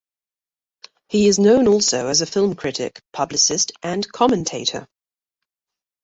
He is known also as a film critic, publicist and commentator.